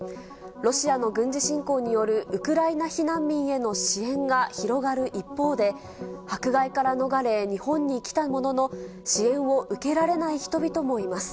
ロシアの軍事侵攻によるウクライナ避難民への支援が広がる一方で、迫害から逃れ、日本に来たものの、支援を受けられない人々もいます。